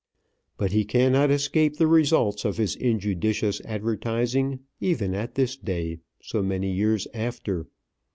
But he cannot escape the results of his injudicious advertising, even at this day, so many years after.